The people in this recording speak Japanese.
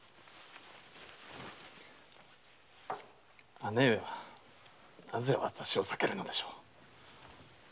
姉上はなぜわたしを避けるのでしょう。